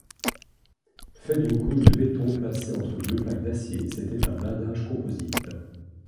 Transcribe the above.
Fait d'une couche de béton placé entre deux plaques d'acier, c'était un blindage composite.